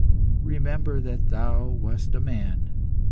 Remember that Thou wast a man.